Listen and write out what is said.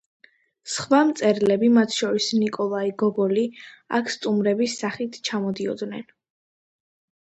სხვა მწერლები, მათ შორის ნიკოლაი გოგოლი, აქ სტუმრების სახით ჩამოდიოდნენ.